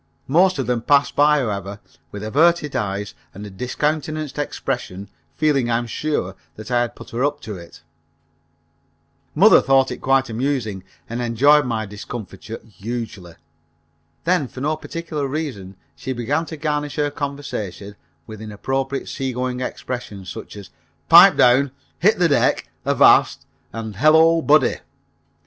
Most of them passed by, however, with averted eyes and a discountenanced expression, feeling, I am sure, that I had put her up to it. Mother thought it quite amusing, and enjoyed my discomfiture hugely. Then for no particular reason she began to garnish her conversation with inappropriate seagoing expressions, such as "Pipe down," "Hit the deck," "Avast," and "Hello, Buddy!"